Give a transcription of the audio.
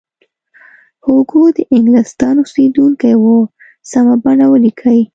هوګو د انګلستان اوسیدونکی و سمه بڼه ولیکئ.